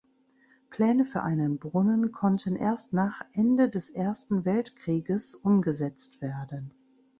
Pläne für einen Brunnen konnten erst nach Ende des Ersten Weltkrieges umgesetzt werden.